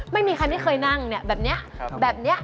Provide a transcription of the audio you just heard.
ไม่มีใครที่เคยนั่งเนี่ยแบบนี้